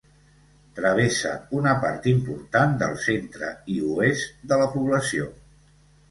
Travessa una part important del centre i oest de la població.